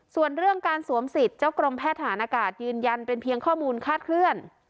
ส่วนเรื่องการสวมสิทธิ์เจ้ากรมแพทย์ฐานอากาศยืนยันเป็นเพียงข้อมูลคาดเคลื่อน